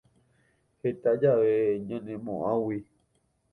Heta jave ñanemoʼag̃ui.